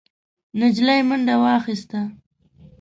نجلۍ منډه واخيسته،